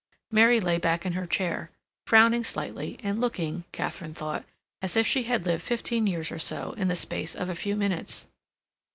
Mary lay back in her chair, frowning slightly, and looking, Katharine thought, as if she had lived fifteen years or so in the space of a few minutes.